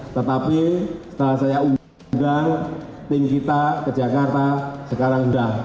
tetapi setelah saya undang tim kita ke jakarta sekarang sudah